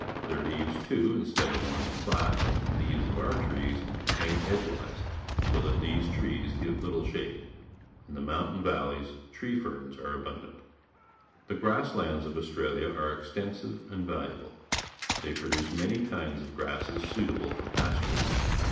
Their leaves, too, instead of lying flat, like the leaves of THE STATES OF AUSTRALIA 241 our tree s, hang edeawi se. so that these trees 'give_j;ttifi..ai]ade. In the mountain vallej^s t ree fern s are abundant. The grass lands of AustraUa are extensiv e and vahiable. They produce many kinds of grasses suital^le for pasturage.